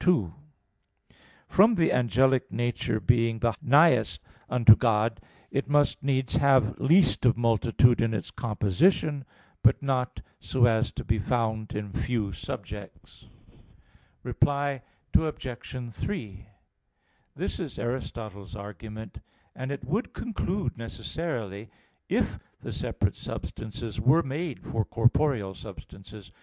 2: From the angelic nature being the nighest unto God, it must needs have least of multitude in its composition, but not so as to be found in few subjects. Reply Obj. 3: This is Aristotle's argument (Metaph. xii, text 44), and it would conclude necessarily if the separate substances were made for corporeal substances.